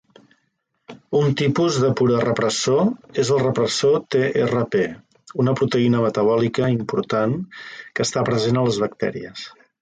Un tipus d'aporepressor és el repressor trp, una proteïna metabòlica important que està present a les bactèries.